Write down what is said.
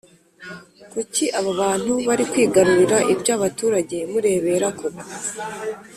Kuki aba bantu bari kwigarurira ibya abaturage murebera koko?